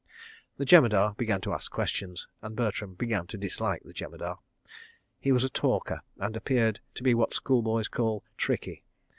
The Jemadar began to ask questions, and Bertram began to dislike the Jemadar. He was a talker, and appeared to be what schoolboys call "tricky."